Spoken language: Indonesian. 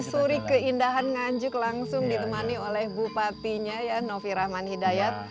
menyusuri keindahan nganjuk langsung ditemani oleh bupatinya ya novi rahman hidayat